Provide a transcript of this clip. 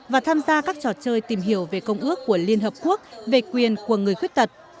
và tham gia các trò chơi tìm hiểu về công ước của liên hợp quốc về quyền của người khuyết tật